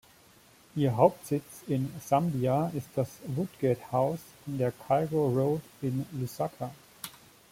Ihr Hauptsitz in Sambia ist das Woodgate House in der Cairo Road in Lusaka.